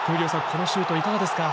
このシュートいかがですか？